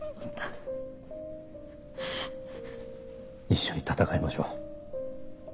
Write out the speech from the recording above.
一緒に闘いましょう。